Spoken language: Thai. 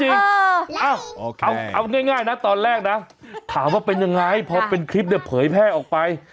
เอาง่ายนะตอนแรกนะถามว่าเป็นยังไงพอเป็นคลิปเนี่ยเผยแพร่ออกไป